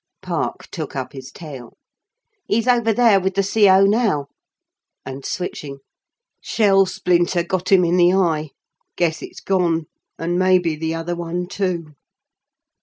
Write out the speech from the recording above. Park took up his tale. "He's over there with the C.O. now," and switching: "Shell splinter got him in the eye. Guess it's gone and maybe the other one too."